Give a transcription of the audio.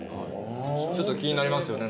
ちょっと気になりますよね。